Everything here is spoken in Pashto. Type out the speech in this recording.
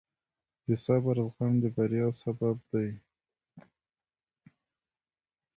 د صبر زغم د بریا سبب دی.